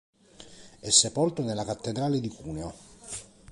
È sepolto nella cattedrale di Cuneo.